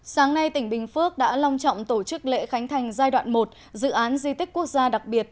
sáng nay tỉnh bình phước đã long trọng tổ chức lễ khánh thành giai đoạn một dự án di tích quốc gia đặc biệt